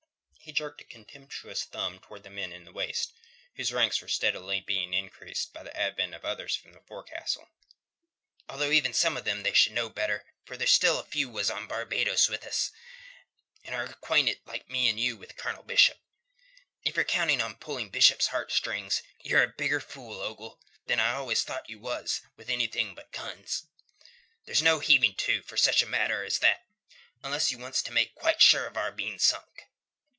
He jerked a contemptuous thumb towards the men in the waist, whose ranks were steadily being increased by the advent of others from the forecastle. "Although even some o' they should know better, for there's still a few was on Barbados with us, and are acquainted like me and you with Colonel Bishop. If ye're counting on pulling Bishop's heartstrings, ye're a bigger fool, Ogle, than I've always thought you was with anything but guns. There's no heaving to for such a matter as that unless you wants to make quite sure of our being sunk.